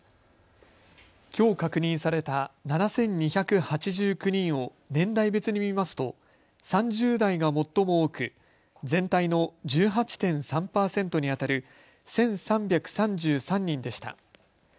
きょう確認された７２８９人を年代別に見ますと３０代が最も多く全体の１８．３％にあたる１３３３人でした。